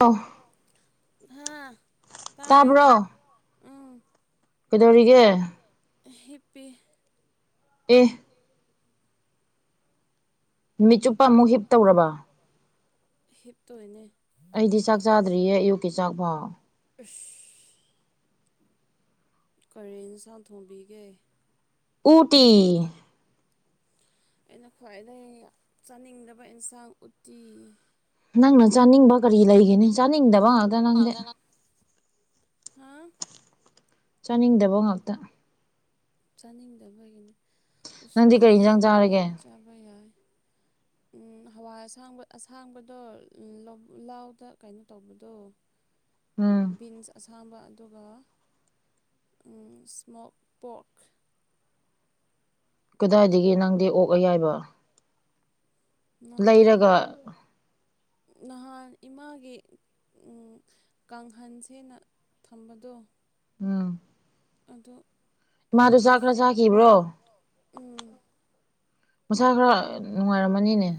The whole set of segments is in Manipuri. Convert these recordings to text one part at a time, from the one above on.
ꯇꯣ ꯍꯥꯥ ꯇꯥꯕ꯭ꯔꯣ ꯀꯩꯗꯧꯔꯤꯒꯦ ꯍꯦꯞꯄꯦ ꯑꯦ ꯃꯤꯠꯆꯨꯞꯄ ꯑꯃꯨꯛ ꯍꯤꯞ ꯇꯧꯔꯕ ꯍꯤꯞꯇꯣꯏꯅꯦ ꯑꯩꯗꯤ ꯆꯥꯛ ꯆꯥꯗ꯭ꯔꯤꯌꯦ ꯑꯌꯨꯛꯀꯤ ꯆꯥꯛꯐꯥꯎ ꯑꯁ ꯀꯔꯦꯟꯁ ꯊꯣꯝꯕꯤꯒꯦ ꯎꯇꯤ ꯑꯩꯅ ꯈ꯭ꯋꯥꯏꯗꯗꯒꯤ ꯆꯥꯅꯤꯡꯗꯕ ꯏꯟꯁꯥꯡ ꯎꯇꯤ ꯅꯪꯅ ꯆꯥꯅꯤꯡꯕ ꯀꯔꯤ ꯂꯩꯒꯅꯤ ꯆꯥꯅꯤꯡꯗꯕ ꯉꯥꯛꯇ ꯅꯪꯗꯤ ꯍꯥ ꯆꯥꯅꯤꯡꯗꯕ ꯉꯥꯛꯇ ꯆꯥꯅꯤꯡꯗꯕꯒꯤꯅꯤ ꯅꯪꯗꯤ ꯎꯁꯣꯏ ꯀꯔꯤ ꯏꯟꯖꯥꯡ ꯎꯇꯤꯒꯨꯝꯕꯗꯤ ꯆꯥꯔꯒꯦ ꯆꯥꯕ ꯌꯥꯏ ꯎ ꯍꯋꯥꯏ ꯑꯁꯥꯡꯕ ꯑꯁꯥꯡꯕꯗꯣ ꯂꯥꯎꯗ ꯀꯩꯅꯣ ꯇꯧꯕꯗꯣ ꯎꯝ ꯕꯤꯟꯁ ꯑꯁꯥꯡꯕ ꯑꯗꯨꯒ ꯏꯁꯃꯣꯛ ꯄꯣꯛ ꯀꯗꯥꯏꯗꯒꯤ ꯅꯪꯗꯤ ꯑꯣꯛꯑ ꯌꯥꯏꯕ ꯅꯍꯥꯟ ꯂꯩꯔꯒ ꯅꯍꯥꯟ ꯏꯃꯥꯒꯤ ꯀꯥꯡꯈꯟꯁꯤꯅ ꯊꯝꯕꯗꯣ ꯑꯗꯣ ꯏꯃꯥꯗꯨ ꯆꯥꯛ ꯈꯔ ꯆꯥꯈꯤꯕ꯭ꯔꯣ ꯎꯝ ꯃꯁꯥ ꯈꯔ ꯅꯨꯡꯉꯥꯏꯔꯝꯃꯅꯤꯅꯦ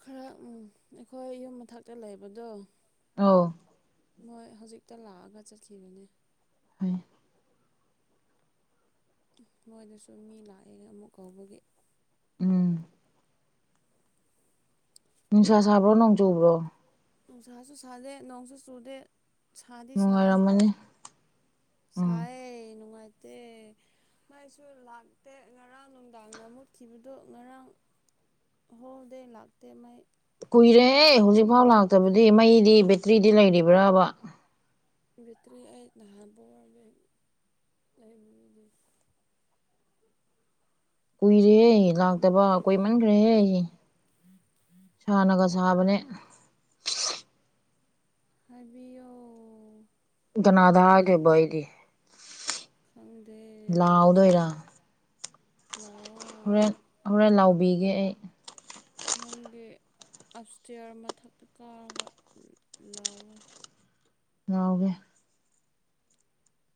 ꯈꯔ ꯎꯝ ꯑꯩꯈꯣꯏ ꯌꯨꯝ ꯃꯊꯛꯇ ꯂꯩꯕꯗꯣ ꯑ ꯃꯣꯏ ꯍꯧꯖꯤꯛꯇ ꯂꯥꯛꯑꯒ ꯆꯠꯈꯤꯕꯅꯦ ꯍꯣꯏ ꯃꯣꯏꯗꯁꯨ ꯃꯤ ꯂꯥꯛꯑꯦ ꯑꯃꯨꯛ ꯀꯧꯕꯒꯤ ꯎꯝ ꯅꯤꯡꯁꯋꯥ ꯁꯥꯕ꯭ꯔꯣ ꯅꯣꯡ ꯆꯨꯕ꯭ꯔꯣ ꯆ ꯁꯣ ꯁꯥꯂꯦ ꯅꯣꯡ ꯁꯣ ꯆꯣꯗꯦ ꯁꯗꯤ ꯁꯥꯏ ꯅꯨꯡꯉꯥꯏꯔꯝꯃꯅꯤ ꯎꯝ ꯁꯥꯏ ꯅꯨꯡꯉꯥꯏꯇ ꯃꯥꯏꯁꯨ ꯂꯥꯛꯇꯦ ꯉꯔꯥꯡ ꯅꯨꯡꯗꯥꯡꯅ ꯃꯨꯠꯈꯤꯕꯗꯨꯣ ꯉꯔꯥꯡ ꯍꯗ ꯂꯥꯛꯇ ꯃꯣꯏ ꯀꯨꯏꯔꯦ ꯍꯧꯖꯤꯛꯐꯥꯎ ꯂꯥꯛꯇꯕꯗꯤ ꯃꯩꯗꯤ ꯕꯦꯇ꯭ꯔꯤꯗꯤ ꯂꯩꯔꯤꯕ꯭ꯔꯕ ꯕꯕꯤꯦꯇ꯭ꯔꯤ ꯑꯩ ꯅꯍꯥꯟ ꯐ ꯋꯥ ꯂꯩ ꯀꯨꯏꯔꯦꯍꯦ ꯑꯩ ꯂꯥꯛꯇꯕ ꯀꯣꯏꯃꯟꯈ꯭ꯔꯦꯍꯦ ꯑꯩ ꯁꯥꯟꯅꯒ ꯁꯥꯕꯅꯦ ꯍꯥꯏꯕꯤ ꯑꯣ ꯅꯥꯗ ꯍꯥꯒꯕꯏꯒꯤ ꯈꯪꯗꯦ ꯂꯥꯎꯑꯣꯗꯣꯏꯔ ꯂꯑꯣ ꯍꯣꯔꯦꯟ ꯍꯣꯔꯦꯟ ꯂꯥꯎꯕꯤꯒꯦ ꯑꯩ ꯅꯪꯒ ꯑꯞꯁꯇꯤꯌꯥꯔ ꯃꯊꯛꯇ ꯀꯥꯔꯒ ꯂꯥꯎꯑꯣ ꯉꯎꯒꯦ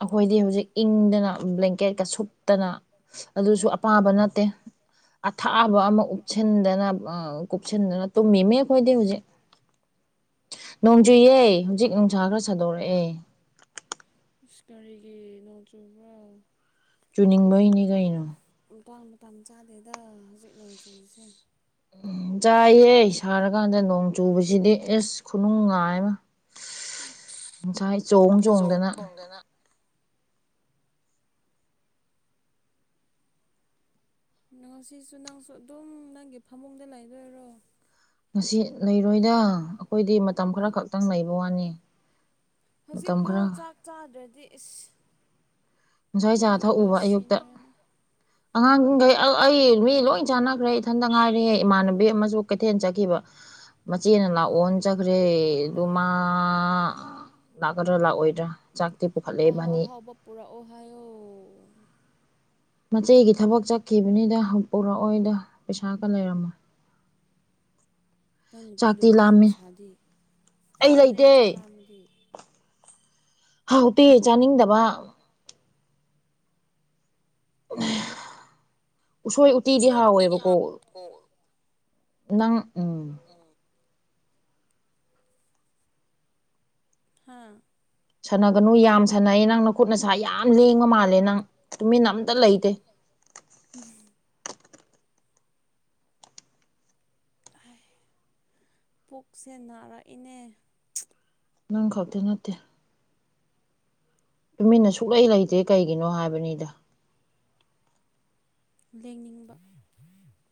ꯑꯩꯈꯣꯏꯗꯤ ꯍꯧꯖꯤꯛꯇꯤ ꯍꯧꯖꯤꯛ ꯏꯪꯗꯅ ꯕ꯭ꯂꯦꯡꯀꯦꯠꯀ ꯁꯨꯞ ꯠꯇꯅ ꯑꯗꯨꯁꯨ ꯇꯠ ꯑꯄꯥꯝꯕ ꯅꯠꯇꯦ ꯑꯊꯥꯕ ꯑꯃ ꯎꯞꯁꯤꯟꯗꯅ ꯀꯨꯞꯁꯅ ꯇ ꯃꯦꯃꯦꯦ ꯀꯣꯏꯗꯌꯖꯤꯦ ꯅꯣꯡꯖꯨꯌꯦ ꯍꯧꯖꯤꯛ ꯅꯨꯡꯁꯥ ꯈꯔ ꯁꯥꯗꯣꯔꯛꯑꯦ ꯏꯁ ꯀꯒꯥꯔꯤꯒꯤ ꯅꯣꯡ ꯆꯨꯕ꯭ꯔꯥ ꯆꯨꯅꯤꯡꯕꯩꯅꯤ ꯀꯩꯅꯣ ꯑ ꯃꯇ ꯆꯥꯗꯦꯗ ꯍꯧꯖꯤꯛ ꯅꯣꯡ ꯆꯨꯔꯤꯁꯦ ꯎꯝ ꯆꯥꯏꯌꯦꯦ ꯁꯥꯔꯀꯥꯟꯗ ꯅꯣꯡ ꯆꯨꯕꯁꯤꯗꯤ ꯑꯦꯁ ꯈꯨꯅꯨꯡ ꯉꯥꯏꯃ ꯉꯁꯥꯏ ꯆꯣꯡ ꯆꯣꯡꯗꯅ ꯉꯁꯤꯁꯨ ꯅꯪꯁꯨ ꯑꯗꯨꯝ ꯅꯪꯒꯤ ꯐꯃꯨꯡꯗ ꯂꯩꯗꯣꯏꯔꯣ ꯉꯁꯤ ꯂꯩꯔꯣꯏꯗ ꯑꯩꯈꯣꯏꯗꯤ ꯃꯇꯝ ꯈꯔ ꯈꯛꯇꯪ ꯂꯩꯕ ꯋꯥꯅꯤ ꯃꯇꯝ ꯍꯧꯖꯤꯛꯐꯥꯎ ꯈꯔ ꯆꯥꯛ ꯆꯥꯗ꯭ꯔꯗꯤ ꯏꯁ ꯎꯟꯁꯥ ꯆꯥ ꯃꯤ ꯂꯣꯏ ꯊꯛꯎꯕ ꯑꯌꯨꯛꯇ ꯁꯤꯅꯔꯅꯤ ꯑꯉꯥꯡꯈꯩ ꯑꯩ ꯃꯤ ꯂꯣꯏ ꯆꯥꯟꯅꯈ꯭ꯔꯦ ꯏꯊꯟꯇ ꯉꯥꯏꯔꯦꯦ ꯏꯃꯥꯟꯅꯕꯤ ꯑꯃꯁꯨ ꯀꯩꯊꯦꯜ ꯆꯠꯈꯤꯕ ꯃꯆꯦꯅ ꯂꯥꯛꯑꯣꯅ ꯆꯠꯈ꯭ꯔꯦ ꯑꯗꯨ ꯃꯥ ꯂꯥꯛꯀꯗ꯭ꯔꯥ ꯂꯥꯛꯑꯣꯏꯗ꯭ꯔꯥ ꯆꯥꯛꯇꯤ ꯄꯨꯈꯠꯂꯛꯏꯕꯅꯤ ꯍꯥꯏꯑꯣ ꯃꯆꯦꯒꯤ ꯊꯕꯛ ꯆꯠꯈꯤꯕꯅꯤꯗ ꯎꯔꯛꯑꯣꯏꯗ ꯄꯩꯁꯥꯒ ꯂꯩꯔꯝꯃꯣꯏ [unintelligible] ꯅꯪ ꯆꯥꯛꯇꯤ ꯅꯨꯄꯤꯗꯣꯏꯅꯤꯅꯦ ꯂꯥꯝꯃꯦ ꯄꯩꯁꯥꯗꯤ ꯑꯩ ꯆꯥꯔꯣꯅꯦ ꯂꯩꯇꯦ ꯆꯠꯂ ꯃꯗꯤ ꯍꯥꯎ ꯎꯄꯤꯤꯌꯦ ꯆꯥꯅꯤꯡꯗꯕ ꯎ ꯎꯁꯣꯏ ꯎꯇꯤꯗꯤ ꯎꯁꯣꯏꯗꯤ ꯍꯥꯎꯋꯦꯕꯀꯣ ꯍꯥꯎꯕꯀꯣ ꯅꯪ ꯎꯝ ꯍꯥꯥ ꯁꯥꯟꯅꯒꯅꯨ ꯌꯥꯝ ꯁꯥꯟꯅꯩ ꯅꯪ ꯅ ꯈꯨꯠ ꯅꯁꯥ ꯌꯥꯝ ꯂꯦꯡꯉ ꯃꯥꯜꯂꯦ ꯅꯪ ꯇꯨꯃꯤꯟ ꯑꯝꯇ ꯂꯩꯇꯦ [unintelligible] ꯎꯝ ꯄꯨꯛꯁꯦ ꯅꯥꯔꯛꯏꯅꯦ ꯅꯪ ꯈꯛꯇꯤ ꯅꯠꯇꯦ ꯇꯨꯃꯤꯟꯅ ꯁꯨꯛꯂꯩ ꯂꯩꯇꯦ ꯀꯩꯒꯤꯅꯣ ꯍꯥꯏꯕꯅꯤꯗ ꯂꯦꯡꯅꯤꯡꯕ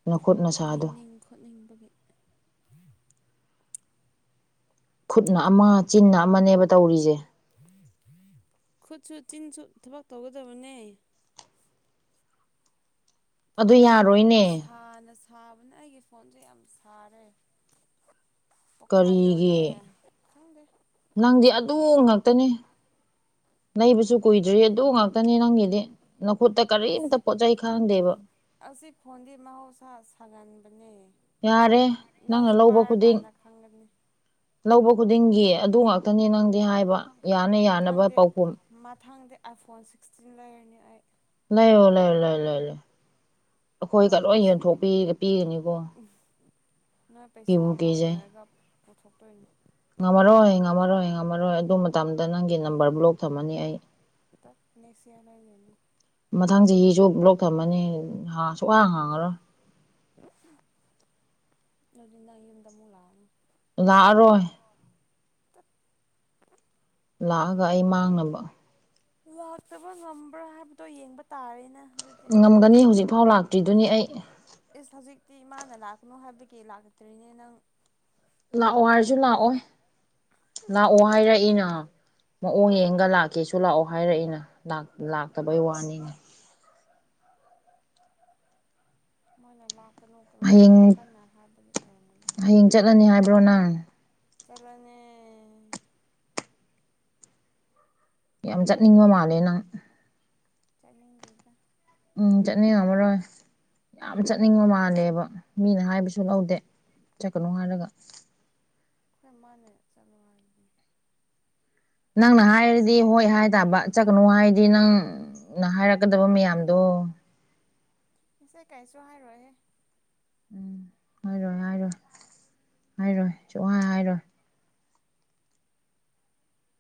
ꯅꯈꯨꯠ ꯅꯁꯥꯗꯣ ꯂꯤꯡꯅꯤꯡ ꯈꯣꯠꯅꯤꯡꯕꯒꯤ ꯈꯨꯠꯅ ꯑꯃ ꯆꯤꯟꯅ ꯑꯃꯅꯦꯕ ꯇꯧꯔꯤꯁꯦ ꯈꯨꯠꯁꯨ ꯆꯤꯟꯁꯨ ꯊꯕꯛ ꯇꯧꯒꯗꯕꯅꯦ ꯑꯗꯨ ꯐꯣꯣꯟ ꯌꯥꯔꯣꯏꯅꯦ ꯁꯅ ꯁꯥꯕꯅ ꯑꯩꯒꯤ ꯐꯣꯟꯁꯦ ꯌꯥꯝ ꯁꯥꯔꯦ ꯀꯔꯤꯒꯤ ꯄꯣꯛꯈꯥꯏꯗꯧꯔꯤꯅꯦ ꯈꯪꯗꯦ ꯅꯪꯗꯤ ꯑꯗꯨ ꯉꯅꯤ ꯅꯕꯁꯨ ꯀꯨꯏꯗ꯭ꯔꯤ ꯑꯗꯨ ꯉꯥꯛꯇꯅꯤ ꯅꯪꯒꯤꯗꯤ ꯅꯈꯨꯠꯇ ꯀꯔꯤꯝꯇ ꯄꯣꯠꯆꯩ ꯈꯥꯡꯗꯦꯕ ꯑꯁꯤ ꯐꯣꯟꯗꯤ ꯃꯍꯣꯁ ꯁꯒ ꯌꯥꯔꯦ ꯅꯪꯅ ꯂꯧꯕ ꯈꯨꯗꯤꯡ ꯄꯥꯏꯔꯀꯥꯟꯗ ꯈꯪꯒꯅꯤ ꯂꯧꯕ ꯈꯨꯗꯤꯡꯒꯤ ꯑꯗꯨ ꯉꯥꯛꯇꯅꯤ ꯅꯪꯗꯤ ꯍꯥꯏꯕ ꯌꯥꯅ ꯌꯥꯅꯕ ꯄꯥꯎꯈꯨꯝ ꯑ ꯐꯣꯟ ꯁꯤꯛꯁꯇꯤꯟ ꯂꯩꯔꯅꯤ ꯑꯩ ꯂꯩ ꯑꯣꯂ ꯑꯣꯂ ꯂꯩ ꯂꯩ ꯑꯩꯈꯣꯏꯒ ꯅꯣꯏ ꯂꯣꯏ ꯄꯩꯁꯥ ꯌꯦꯟꯊꯣꯛꯄꯤꯄꯤꯒꯅꯤꯀꯣ ꯅꯣꯏ ꯄꯩꯁꯥ ꯍꯧꯅꯔꯒ ꯄꯨꯊꯣꯛꯇꯣꯏꯅꯤ ꯉꯝꯃꯔꯣꯏ ꯉꯝꯃꯔꯣꯏ ꯉꯝꯃꯔꯣꯏ ꯑꯗꯨ ꯃꯇꯝꯗ ꯅꯪꯒꯤ ꯅꯝꯕꯔ ꯕ꯭ꯂꯣꯛ ꯊꯝꯃꯅꯤ ꯑꯩ ꯅꯁꯤꯌꯥꯅ ꯂꯩ ꯃꯊꯪꯁꯤꯒꯤꯁꯨ ꯂꯣꯛ ꯊꯝꯃꯅꯤ ꯁꯨꯛꯍꯥꯡ ꯍꯥꯡꯉꯔꯣꯏ ꯑꯗꯨꯅꯝꯗꯥ ꯃꯨꯂꯥꯅ ꯂꯥꯛꯑꯔꯣꯏ [unintelligible] ꯛꯑꯒ ꯑꯩ ꯃꯥꯡꯅꯕ ꯂꯥꯛꯇꯕ ꯉꯝꯕ꯭ꯔꯥ ꯍꯥꯏꯕꯗꯣ ꯌꯦꯡꯕ ꯇꯥꯔꯦꯅꯦ ꯉꯝꯒꯅꯤ ꯍꯧꯖꯤꯛꯐꯥꯎ ꯂꯥꯛꯇ꯭ꯔꯤꯗꯨꯅꯤ ꯑꯩ ꯏꯁꯁ ꯍꯧꯖꯤꯛꯇꯤ ꯏꯃꯥꯅ ꯂꯥꯛꯀꯅꯨ ꯍꯥꯏꯕꯒꯤ ꯂꯥꯛꯇ꯭ꯔꯤꯅꯦ ꯅꯪ ꯂꯥꯛꯑꯣ ꯍꯥꯏꯔꯁꯨ ꯂꯥꯛꯑꯣ ꯂꯥꯛꯑꯣ ꯍꯥꯏꯔꯛꯏꯅ ꯃꯑꯣꯡ ꯌꯦꯡꯒ ꯂꯥꯛꯀꯦꯁꯨ ꯂꯥꯛꯑꯣ ꯍꯥꯏꯔꯛꯏꯅ ꯂꯥꯛꯇꯕꯩ ꯋꯥꯅꯤꯅꯦ ꯃꯣꯏꯅꯃ ꯀ ꯂꯥꯛꯀꯅꯣ ꯍꯌꯦꯡ ꯀꯟꯅ ꯍꯥꯏꯕꯒꯤ ꯑꯣꯏꯔꯝꯒꯅꯤ ꯍꯌꯦꯡ ꯆꯠꯂꯅꯤ ꯍꯥꯏꯕ꯭ꯔꯣ ꯅꯪ ꯆꯂꯅꯦ ꯌꯥꯝ ꯆꯠꯅꯤꯡꯕ ꯃꯥꯜꯂꯦ ꯅꯪ ꯆꯠꯅ ꯂꯩꯗ ꯎꯝ ꯆꯠꯅꯤ ꯉ ꯑꯃꯔꯣꯏ ꯌꯥꯝ ꯆꯠꯅꯤꯡꯕ ꯃꯥꯜꯂꯦꯕ ꯃꯤꯅ ꯍꯥꯏꯕꯁꯨ ꯂꯧꯗꯦ ꯆꯠꯀꯅꯨ ꯍꯥꯏꯔꯒ ꯑꯩꯈꯣꯏ ꯃꯥꯅꯦ ꯆꯠꯂ ꯃꯥꯜꯂꯤꯅꯦ ꯅꯪꯅ ꯍꯥꯏꯔꯗꯤ ꯍꯣꯏ ꯍꯥꯏ ꯇꯕ ꯆꯠꯀꯅꯨ ꯍꯥꯏꯔꯗꯤ ꯅꯪ ꯎ ꯅ ꯍꯥꯏꯔꯛꯀꯗꯕ ꯃꯌꯥꯝꯗꯣ ꯀꯩꯁꯨꯣ ꯍꯥꯏ ꯔꯣꯍꯦ ꯎꯝ ꯍꯥꯏꯔꯣꯏ ꯍꯥꯏꯔꯣꯏ ꯍꯥꯏꯔꯣꯏ ꯁꯉ ꯍꯥꯏꯔꯣꯏ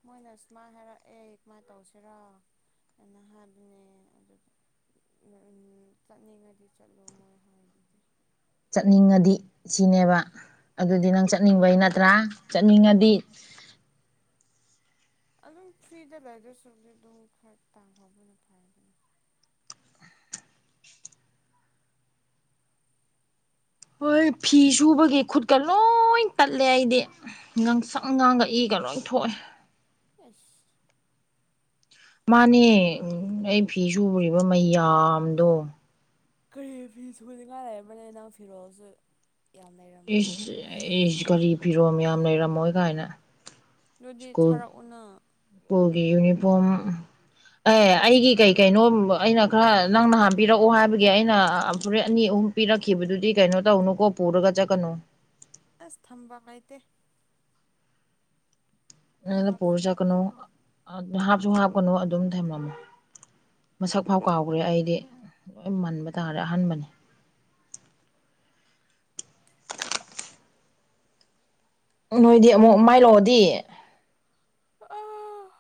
ꯃꯣꯏꯅ ꯁꯨꯃꯥꯏꯅ ꯍꯥꯏꯔꯛꯑꯦ ꯀꯃꯥꯏꯅ ꯇꯧꯁꯤꯔꯣ ꯅꯍꯥꯕꯅꯦ ꯑꯗꯨ ꯎꯝ ꯎꯝ ꯆꯠꯅꯤꯡꯉꯗꯤ ꯆꯠꯂꯣ ꯃꯣꯏ ꯍꯥꯏ ꯑꯗꯨꯗꯤ ꯆꯠꯅꯤꯡꯉꯗꯤ ꯁꯤꯅꯦꯕ ꯑꯗꯨꯗꯤ ꯅꯪ ꯆꯠꯅꯤꯡꯕꯒꯤ ꯅꯠꯇ꯭ꯔꯥ ꯆꯠꯅꯤꯡꯉꯗꯤ ꯑꯗꯨꯝ ꯐ꯭ꯔꯤꯗ ꯂꯩꯗꯣꯏ ꯁꯔꯨꯗꯤ ꯑꯗꯨꯝ ꯈꯔ ꯇꯥꯡꯍꯧꯕꯅ ꯐꯩꯗꯅ ꯍꯣꯏ ꯐꯤ ꯁꯨꯕꯒꯤ ꯈꯨꯠꯀ ꯂꯣꯏ ꯇꯠꯂꯦ ꯑꯩꯗꯤ ꯉꯥꯡꯁꯪ ꯉꯥꯡꯒ ꯏꯒ ꯀꯔ ꯊꯣꯛꯑꯦ ꯑ ꯃꯥꯅꯦ ꯑꯩ ꯐꯤ ꯁꯨꯔꯤꯕ ꯃꯌꯥꯝꯗꯣ ꯀꯔꯤ ꯐꯤ ꯁꯨꯅꯤꯡꯉꯥꯏ ꯂꯩꯔꯔꯕꯝꯕꯅꯤ ꯅꯪ ꯐꯤꯔꯣꯜꯁꯨ ꯌꯥꯝ ꯑꯦ ꯂꯩꯔꯝꯃꯣꯏ ꯑꯦꯁ ꯀꯔꯤ ꯐꯤꯔꯣꯝ ꯌꯥꯝ ꯂꯩꯔꯝꯃꯣꯏ ꯀꯥꯏꯅ ꯑꯗꯨꯗꯤ ꯁ꯭ꯀꯨꯜ ꯊꯥꯔꯛꯎꯅ ꯁ꯭ꯀꯨꯜꯒꯤ ꯌꯨꯅꯤꯐꯣꯔꯝ ꯑꯦ ꯑꯩꯒꯤ ꯀꯩ ꯀꯩꯅꯣ ꯑꯩꯅ ꯈꯔ ꯅꯪ ꯅꯍꯥꯟꯕꯤꯔꯛꯑꯣ ꯍꯥꯏꯕꯒꯤ ꯑꯩꯅ ꯐꯣꯔꯦꯠ ꯑꯅꯤ ꯑꯍꯨꯝ ꯄꯤꯔꯛꯈꯤꯕꯗꯨꯗꯤ ꯀꯩꯅꯣ ꯇꯧꯅꯨꯀꯣ ꯄꯔꯒ ꯆ ꯀꯅꯣ ꯑꯁ ꯊꯝꯕ ꯑꯥꯏꯇ ꯅꯪꯅ ꯄꯨꯔ ꯍꯥꯞꯇꯦ ꯆꯠꯀꯅꯨ ꯍꯥꯞꯁꯨ ꯍꯥꯞꯀꯅꯨ ꯑꯗꯨꯝ ꯊꯝꯃꯃꯣ ꯃꯁꯛ ꯐꯥꯎ ꯀꯥꯎꯈ꯭ꯔꯦ ꯑꯩꯗꯤ ꯂꯣꯏ ꯃꯟꯕ ꯇꯥꯔꯦ ꯑꯍꯥꯟꯕꯅꯤ [unintelligible] ꯅꯣꯏꯗꯤ ꯑꯃꯨꯛ ꯃꯥꯏꯂꯛꯑꯣꯗꯤ ꯑ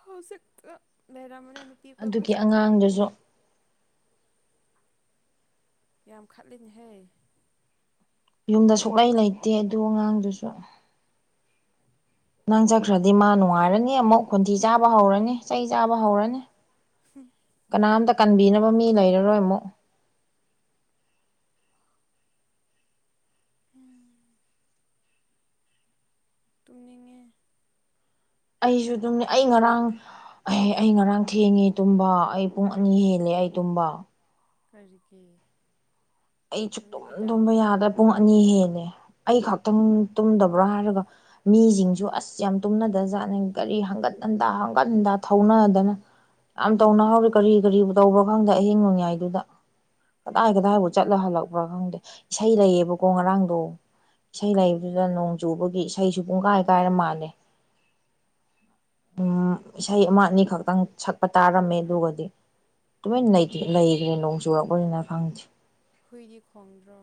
ꯍꯧꯖꯤꯛꯇ ꯂꯩꯔꯝꯕꯅꯦ ꯅꯨꯄꯤ ꯀꯣꯏꯕ ꯑꯗꯨꯒꯤ ꯆꯠꯈ꯭ꯔꯕ ꯈꯪꯒꯦ ꯑꯉꯥꯡꯗꯨꯁꯨ ꯌꯥꯝꯈꯥꯟ ꯂꯩꯍ ꯌꯨꯝꯗ ꯁꯣꯛꯂꯩ ꯂꯩꯇꯦ ꯑꯗꯨ ꯑꯉꯥꯡꯗꯨꯁꯨ ꯅꯪ ꯆꯠꯈ꯭ꯔꯗꯤ ꯃꯥ ꯅꯨꯡꯉꯥꯏꯔꯅꯤ ꯑꯃꯨꯛ ꯈꯣꯟꯊꯤ ꯆꯥꯕ ꯍꯧꯔꯅꯤ ꯆꯩ ꯆꯥꯕ ꯍꯧꯔꯅꯤ ꯀꯅꯥꯝꯇ ꯀꯟꯕꯤꯅꯕ ꯃꯤ ꯂꯩꯔꯔꯣꯏ ꯑꯃꯨꯛ ꯎꯝ ꯇꯨꯅꯤꯡꯉꯦ ꯑꯩꯁꯨ ꯑꯗꯨꯝꯅꯦ ꯑꯩ ꯉꯔꯥꯡ ꯑꯦꯍ ꯑꯩ ꯉꯔꯥꯡ ꯊꯦꯡꯉꯦ ꯇꯨꯝꯕ ꯑꯩ ꯄꯨꯡ ꯑꯅꯤ ꯍꯦꯜꯂꯦ ꯑꯩ ꯇꯨꯝꯕ ꯀꯀꯦ ꯑꯩꯁꯨꯨ ꯇꯨꯝ ꯇꯨꯝꯕ ꯌꯥꯗ꯭ꯔ ꯄꯨꯡ ꯑꯅꯤ ꯍꯦꯂ ꯑꯩ ꯈꯛꯇꯪ ꯇꯨꯝꯗꯕ꯭ꯔꯣ ꯍꯥꯏꯔꯒ ꯃꯤꯁꯤꯡꯁꯨ ꯑꯁ ꯌꯥꯝ ꯇꯨꯝꯅꯗꯖꯥꯠꯅꯩ ꯀꯒꯥꯔꯤ ꯍꯟꯒꯠ ꯍꯟꯇꯥ ꯄꯟꯗ ꯊꯧꯅꯗꯅ ꯌꯥꯝ ꯇꯧꯅꯍꯧꯔꯤ ꯀꯔꯤ ꯀꯔꯤꯕ ꯇꯧꯕ꯭ꯔꯣ ꯈꯪꯗꯦ ꯑꯍꯤꯡ ꯅꯣꯡꯌꯥꯏꯗꯨꯗ ꯀꯗꯥꯏ ꯀꯗꯥꯏꯠ ꯆꯠꯂ ꯍꯜꯂꯛꯄ꯭ꯔꯥ ꯈꯪꯗꯦ ꯏꯁꯩ ꯂꯩꯌꯦꯕꯀꯣ ꯉꯔꯥꯡꯗꯣ ꯏꯁꯩ ꯎꯝ ꯂꯩꯕꯗꯨꯗ ꯅꯣꯡ ꯆꯨꯕꯒꯤ ꯏꯁꯩꯁꯨ ꯄꯨꯡꯀꯥꯏ ꯀꯥꯏꯔ ꯃꯥꯜꯂꯦ ꯎꯝ ꯏꯁꯩ ꯑꯃ ꯑꯅꯤ ꯈꯛꯇꯪ ꯁꯛꯄ ꯇꯥꯔꯝꯃꯦ ꯑꯗꯨꯒꯗꯤ ꯑꯗꯨꯃꯥꯏꯅ ꯂꯩꯈ꯭ꯔꯦ ꯅꯣꯡ ꯆꯨꯔꯛꯄꯅꯤꯅ ꯈꯪꯗꯦ ꯍꯨꯏꯗꯤ ꯈꯣꯡꯗ꯭ꯔꯣ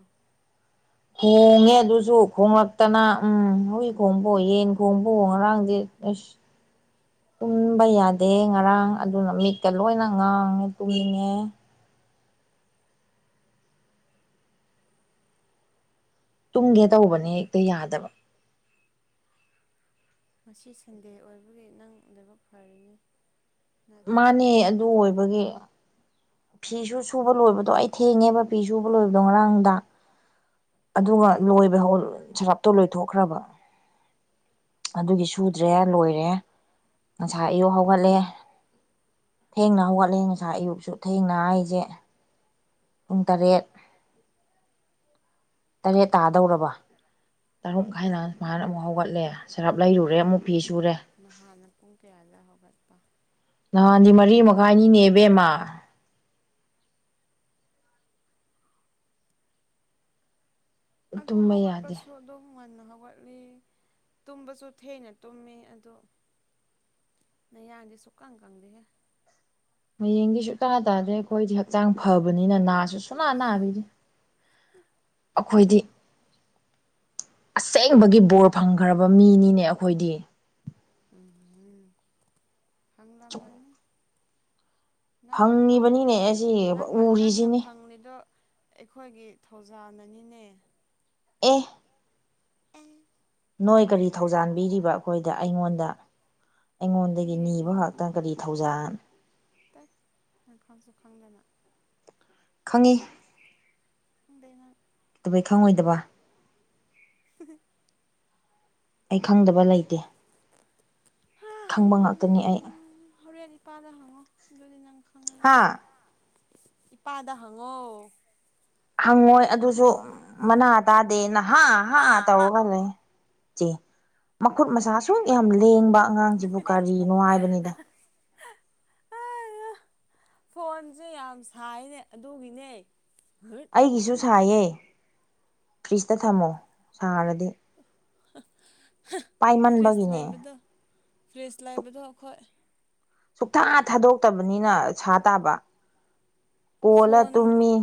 ꯈꯣꯡꯉꯦ ꯑꯗꯨꯁꯨ ꯈꯣꯡꯂꯛꯇꯅ ꯎꯝ ꯍꯨꯏ ꯈꯣꯡꯕ ꯌꯦꯟ ꯈꯣꯡꯕ ꯉꯔꯥꯡꯗꯤ ꯑꯁ ꯇꯨꯝꯕ ꯌꯥꯗꯦ ꯉꯔꯥꯡ ꯑꯗꯨꯅ ꯃꯤꯠꯀ ꯂꯣꯏꯅ ꯉꯥꯡꯉꯦ ꯇꯨꯝꯅꯤꯡꯉꯦ ꯇꯨꯝꯒꯦ ꯇꯧꯕꯅꯦ ꯍꯦꯛꯇ ꯌꯥꯗꯕ ꯉ ꯁꯟꯗꯦ ꯑꯣꯏꯕꯒꯤ ꯅꯪ ꯂꯥꯏꯕꯛ ꯐꯔꯤꯅꯤ ꯅꯠꯇ꯭ꯔꯗꯤ ꯃꯥꯅꯦ ꯑꯗꯨ ꯑꯣꯏꯕꯒꯤ ꯐꯤꯁꯨ ꯁꯨꯕ ꯂꯣꯏꯕꯗꯣ ꯑꯩ ꯊꯦꯡꯉꯦꯕ ꯐꯤ ꯁꯨꯕ ꯂꯣꯏꯕꯗꯣ ꯉꯔꯥꯡꯗ ꯑꯗꯨꯒ ꯂꯣꯏꯕ ꯍꯧ ꯁꯔꯞꯇꯣ ꯂꯣꯏꯊꯣꯛꯈ꯭ꯔꯕ ꯑꯗꯨꯒꯤ ꯁꯨꯗ꯭ꯔꯦ ꯂꯣꯏꯔꯦ ꯉꯁꯥ ꯏꯌꯎ ꯍꯧ ꯍꯧꯒꯠꯂꯦ ꯊꯦꯡꯅ ꯍꯧꯒꯠꯂꯦ ꯉꯁꯥꯏ ꯑꯌꯨꯛꯁꯨ ꯊꯦꯡꯅ ꯍꯥꯏꯁꯦ ꯄꯨꯡ ꯇꯔꯦꯠ ꯇꯔꯦꯠ ꯇꯥꯗꯧꯔꯕ ꯇꯔꯨꯛ ꯍꯥꯏꯥꯏꯅ ꯁꯨꯃꯥꯏꯅ ꯑꯃꯨꯛ ꯍꯧꯒꯠꯂꯦ ꯁꯔꯞ ꯂꯩꯔꯨꯔꯦ ꯑꯃꯨꯛ ꯅꯍꯥꯟꯅ ꯐꯤ ꯁꯨꯔꯦ ꯅꯍꯥꯟꯅ ꯄꯨꯡ ꯀꯌꯥꯗ ꯍꯧꯒꯠꯄ ꯅꯍꯥꯟꯗꯤ ꯃꯔꯤ ꯃꯈꯥꯏꯅꯤꯅꯦꯕꯦꯝꯃ ꯑꯗ ꯇꯨꯝꯕ ꯍꯒ ꯌꯥꯗꯦ ꯄꯁꯨ ꯑ ꯑꯗꯨ ꯉꯟꯅ ꯍꯧꯒꯠꯂꯤ ꯇꯨꯝꯕꯁꯨ ꯊꯦꯡꯅ ꯇꯨꯝꯃꯤ ꯑꯗꯣ ꯅ ꯍꯥꯏꯒ ꯁ ꯀꯪ ꯀꯪꯗ ꯍꯌꯦꯡꯗꯤ ꯁꯨꯡ ꯀ ꯇꯥꯗ꯭ꯔꯦ ꯑꯩꯈꯣꯏꯗꯤ ꯍꯛꯆꯥꯡ ꯐꯕꯅꯤꯅ ꯅꯥꯠ ꯁ ꯁꯨꯃ ꯏꯁ ꯅꯥꯕꯤꯅꯤ ꯑꯩꯈꯣꯏꯗꯤ ꯑꯁꯦꯡꯕꯒꯤ ꯕꯣꯔ ꯐꯪꯈ꯭ꯔꯕ ꯃꯤꯅꯤꯅꯦ ꯑꯩꯈꯣꯏꯗꯤ ꯎꯝꯝ ꯐꯪꯂꯝ ꯃꯥꯅꯤ ꯅꯪꯅ ꯐꯪꯉꯤꯕꯅꯤꯅꯦ ꯐꯪꯉꯦꯗꯣ ꯑꯁꯤ ꯅꯪꯅ ꯅꯪꯅ ꯎꯔꯤꯁꯤꯅꯤ ꯐꯪꯉꯗꯣ ꯑꯩꯈꯣꯏꯒꯤ ꯊꯧꯖꯥꯟꯅꯅꯤꯅꯦ ꯑꯦ ꯎꯝ ꯅꯣꯏ ꯀꯔꯤ ꯊꯧꯖꯥꯟꯕꯤꯔꯤꯕ ꯑꯩꯈꯣꯏꯗ ꯑꯩꯉꯣꯟꯗ ꯑꯩꯉꯣꯟꯗꯒꯤ ꯅꯤꯕ ꯈꯥꯛꯛꯇ ꯀꯔꯤ ꯊꯧꯖꯜ ꯇ ꯅꯪ ꯈꯪꯁꯨ ꯈꯪꯗꯅ ꯈꯪꯉꯤ ꯑꯗꯅ ꯀꯇꯧꯕꯩ ꯈꯪꯉꯣꯏꯗꯕ [unintelligible] ꯑꯩ ꯈꯪꯗꯕ ꯂꯩꯇꯦ ꯈꯪꯕ ꯉꯥꯛꯇꯅꯤ ꯑꯩ ꯄꯥꯗ ꯍꯪꯉꯣ ꯑꯗꯨꯅꯥ ꯍꯥꯥ ꯏꯄꯥꯗ ꯍꯪꯉꯣ ꯍꯪꯉꯣꯏ ꯑꯗꯨꯁꯨ ꯃꯅꯥ ꯇꯥꯗꯦ ꯅꯍꯥ ꯍꯥ ꯇꯧꯔ ꯈꯜꯂ ꯆꯦ ꯃꯈꯨꯠ ꯃꯁꯆꯥ ꯁꯨ ꯌꯥꯝ ꯂꯦꯡꯕ ꯑꯉꯥꯡꯁꯤꯕꯨ ꯀꯔꯤꯅꯣꯉꯥꯏꯕꯅꯤꯗ ꯑ ꯐꯣꯟꯁꯦ ꯌꯥꯝ ꯁꯥꯏꯅꯦ ꯑꯗꯨꯒꯤꯅꯦ ꯎꯝ ꯑꯩꯒꯤꯁꯨ ꯁꯥꯏꯌꯦ ꯐ꯭ꯔꯤꯖꯇ ꯊꯝꯃꯣ ꯁꯥꯔꯗꯤ ꯐ꯭ꯔꯤꯖ ꯄꯥꯏꯃꯟꯕꯒꯤꯅꯦ ꯂꯩꯕꯗꯣ ꯐ꯭ꯔꯤꯖ ꯂꯩꯕꯗꯣ ꯑꯩꯈꯣꯏ ꯁꯨꯛꯊꯥ ꯊꯥꯗꯣꯛꯇꯕꯅꯤꯅ ꯁꯥ ꯇꯥꯕ ꯀꯣꯂ ꯐꯣꯟ ꯇꯨꯃꯤ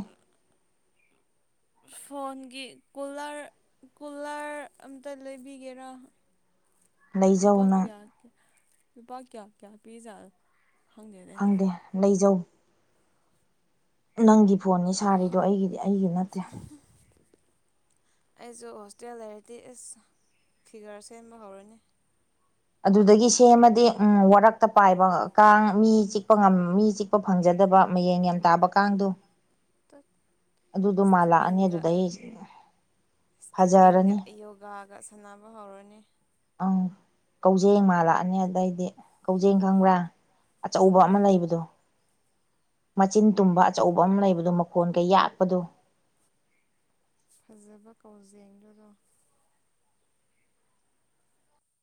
ꯎ ꯐꯣꯟꯒꯤ ꯀꯨꯂꯔ ꯀꯨꯂꯔ ꯑꯝꯇ ꯂꯩꯕꯤꯒꯦꯔꯥ ꯂꯩꯖꯧ ꯄꯥ ꯅꯪ ꯀꯄꯥ ꯀꯌꯥ ꯀꯌꯥ ꯄꯤꯖꯥ ꯈꯪꯗꯦ ꯂꯩꯖꯧ ꯅꯪꯒꯤ ꯐꯣꯟꯅꯤ ꯁꯥꯔꯤꯗꯣ ꯑꯩꯒꯤꯗꯤ ꯑꯩꯒꯤ ꯅꯠꯇꯦ ꯑꯩꯁꯨ ꯍꯣꯁꯇꯦꯜ ꯂꯩꯔꯗꯤ ꯑꯦꯁ ꯐꯤꯒꯔ ꯁꯦꯝꯕ ꯍꯧꯔꯅꯤ ꯑꯗꯨꯗꯒꯤ ꯁꯦꯝꯃꯗꯤ ꯎꯝ ꯋꯥꯔꯛꯇ ꯄꯥꯏꯕ ꯀꯥꯡ ꯃꯤ ꯆꯤꯛꯄꯝ ꯃꯤ ꯆꯤꯛꯄ ꯐꯪꯖꯗ ꯆꯗꯕ ꯃꯌꯦꯡ ꯌꯥꯝ ꯇꯥꯕ ꯀꯥꯡꯗꯨꯣ ꯇꯠ ꯑꯗꯨꯗꯣ ꯃꯥꯜꯂꯛꯑꯅꯤ ꯏꯁꯀꯤꯞꯄꯤꯡꯒ ꯑꯗꯨꯗ ꯑꯩ ꯏꯁꯀꯤꯞꯄꯤꯡꯒ ꯌꯣꯒꯥꯒ ꯁꯥꯟꯅꯕ ꯍꯧꯔꯅꯤ ꯑꯪ ꯀꯧꯖꯦꯡ ꯃꯥꯜꯂꯛꯑꯅꯤ ꯑꯗꯩꯗꯤ ꯀꯧꯖꯦꯡ ꯈꯪꯕ꯭ꯔꯥ ꯑꯆꯧꯕ ꯑꯃ ꯈꯪꯗꯦ ꯂꯩꯕꯗꯣ ꯃꯆꯤꯟ ꯇꯨꯝꯕ ꯑꯆꯧꯕ ꯑꯃ ꯂꯩꯕꯗꯣ ꯃꯈꯣꯟ ꯀꯩ ꯌꯥꯛꯄꯗꯨꯣ ꯐꯖꯕ ꯀꯥꯎꯖꯦꯡꯗꯨꯔꯣ